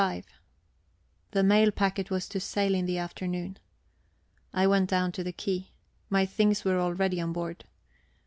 XXXV The mail packet was to sail in the afternoon. I went down to the quay. My things were already on board.